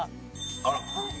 あら！